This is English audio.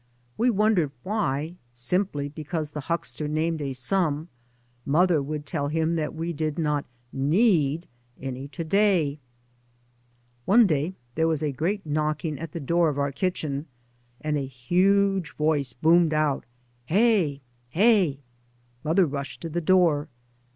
We wondered why, simply because the huckster named a sum, mother would tell him that we did not need any to day ! One day there was a great knocking at the door of our kitchen and a huge voice boomed out, "Hey! Heyl " Mother rushed to the door.